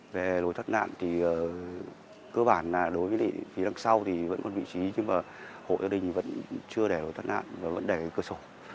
về lối thất nạn thì cơ bản là đối với phía đằng sau thì vẫn còn vị trí nhưng mà hội đình vẫn chưa để lối thất nạn và vẫn để cơ sổ